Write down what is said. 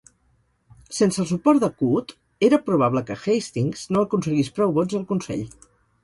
Sense el suport de Coote, era probable que Hastings no aconseguís prou vots al Consell.